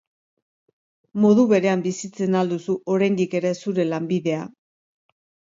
Modu berean bizitzen al duzu oraindik ere zure lanbidea?